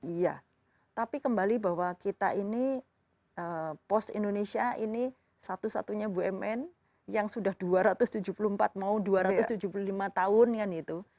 iya tapi kembali bahwa kita ini pos indonesia ini satu satunya bumn yang sudah dua ratus tujuh puluh empat mau dua ratus tujuh puluh lima tahun kan itu